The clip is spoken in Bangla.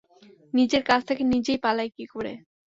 নিজের কাছ থেকে নিজে পালাই কী করে।